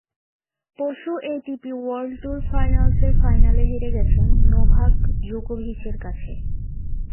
পরশু ATP world tour ফাইনালসের ফাইনালে হেরে গেছেন নোভাক জোকোভিচের কাছে।